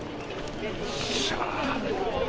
よっしゃー。